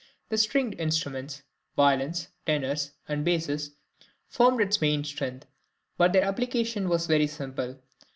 The stringed instruments, violins, tenors, and basses formed its main strength; but their application was very simple.